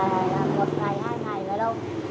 rồi là một ngày hai ngày là đâu